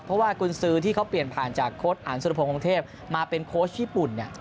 เพราะว่ากุญสือที่เขาเปลี่ยนผ่านจากโค้ดอันสุรพงศ์เทพมาเป็นโค้ชญี่ปุ่นเนี่ย